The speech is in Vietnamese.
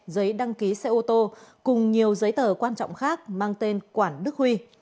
giấy đăng ký xe ô tô cùng nhiều giấy tờ quan trọng khác mang tên quản đức huy